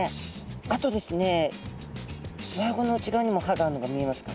あとですねうわあごの内側にも歯があるのが見えますか？